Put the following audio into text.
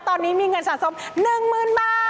ตอนนี้มีเงินสะสม๑๐๐๐บาท